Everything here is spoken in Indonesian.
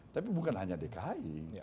tapi bukan hanya dki